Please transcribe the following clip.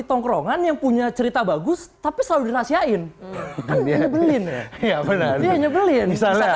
tongkrongan yang punya cerita bagus tapi selalu dinasihain ya bener bener